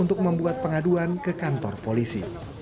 untuk membuat pengaduan ke kantor polisi